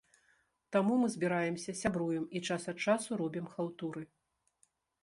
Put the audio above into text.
Таму мы збіраемся, сябруем, і час ад часу робім хаўтуры.